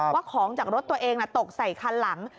ว่าของจากรถตัวเองตกใส่คันหลัง